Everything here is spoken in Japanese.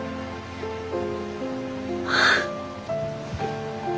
ああ。